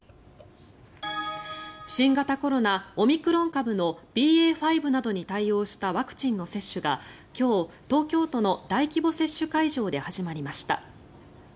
新型コロナ、オミクロン株のＢＡ．５等に対応したワクチンの接種が今日、東京都の大規模接種会場で始まりました。